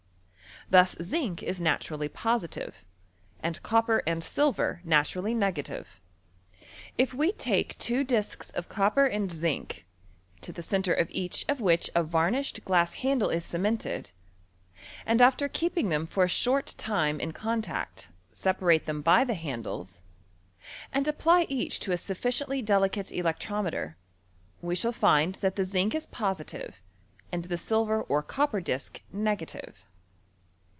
Thus zinc is naturally po« tive, and copper and silver naturally n^;atiTe. If we take two discs of copper and zinc, to the centre. oy s&crao cHEMisTRT. 253 of each of which .a .varnished glass handle is ce« mepted, and aftenliieeping them for a short time in contact, separate them by the handles, and apply each to a sufficieiMy delicate electrometer, we shall find that the zinc is positive, and the silver or copper disc negative.